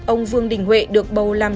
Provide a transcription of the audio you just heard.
ông vương đình huệ được bầu làm